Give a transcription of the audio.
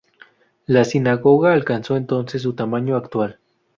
La sinagoga alcanzó entonces su tamaño actual.